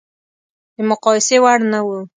د مقایسې وړ نه و.